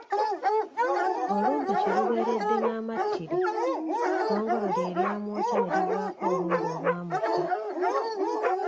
Olumbe kye lubeeredde n'amattire, ggongolo lye lyamwokya ne livaako olumbe olwamutta.